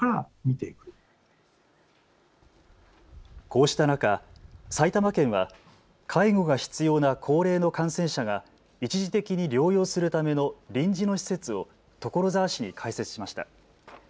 こうした中、埼玉県は介護が必要な高齢の感染者が一時的に療養するための臨時の施設を所沢市に開設しました。